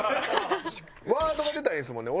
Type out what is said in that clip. ワードが出たらいいんですもんね？